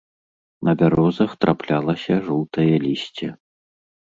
На бярозах трапяталася жоўтае лісце.